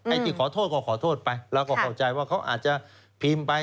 ที่ขอโทษก็ขอโทษไปเราก็เข้าใจว่าเขาอาจจะพิมพ์ไป